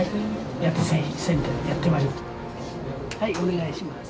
はいお願いします。